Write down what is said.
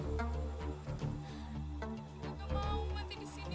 udah udah mereka gak tau ya di sini